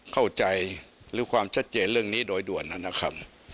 เข้าใจหรือความชัดเจนเรื่องนี้โดยด่วนนะครับ